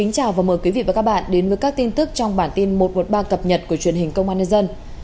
chào mừng quý vị đến với bản tin một trăm một mươi ba cập nhật của truyền hình công an nhân dân